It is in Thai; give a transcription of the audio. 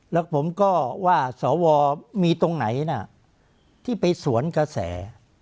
แล้วผมก็ว่าสวมีตรงไหนนะที่ไปสวนกระแส